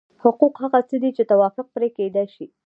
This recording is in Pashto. حقوق هغه څه دي چې توافق پرې کېدای شي.